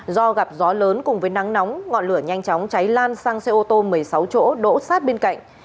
do gặp gió lớn cùng với nắng nóng ngọn lửa nhanh chóng cháy lan sang xe ô tô một mươi sáu chỗ đỗ sát bên cạnh